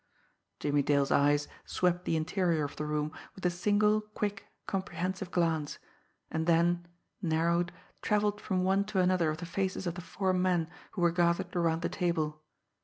Jimmie Dale's eyes swept the interior of the room with a single, quick, comprehensive glance and then, narrowed, travelled from one to another of the faces of the four men who were gathered around the table.